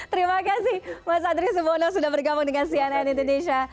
terima kasih mas adri subono sudah bergabung dengan cnn indonesia